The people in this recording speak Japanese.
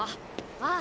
ああ。